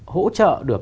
hỗ trợ được